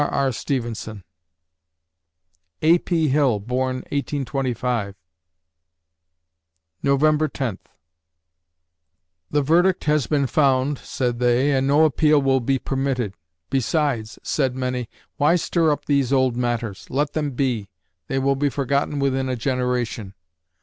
R. STEVENSON A. P. Hill born, 1825 November Tenth The verdict has been found, said they, and no appeal will be permitted. "Besides," said many, "why stir up these old matters? Let them be; they will be forgotten within a generation."